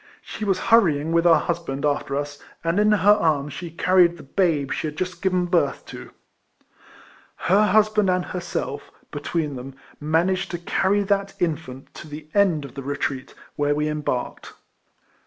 She was hurrying, with her husband, after us, and in RITLOIAN HAEEIS. 187 her arms she caiTie«5 the babe she had just given birth to. Her husband and herself, between them, manaored to carry that mfant to the end of the retreat, where we embarked.